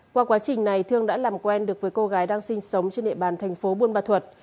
qua quá trình này thương đã làm quen được với cô gái đang sinh sống trên địa bàn thành phố buôn ma thuật